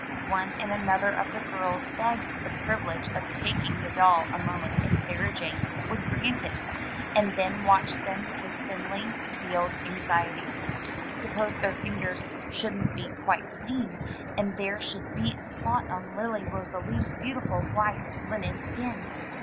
One and another of the girls begged for the privilege of taking the doll a mornent and Sarah Jane would grant it, and then watch them with thinly veiled anxiety. Suppose their fingers shouldn't be quite clean, and there should be a spot on Lily Rosalie's beautiful white linen skin!